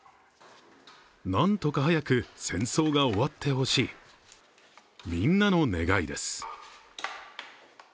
何とか早く戦争が終わってほしい、みんなの願いです。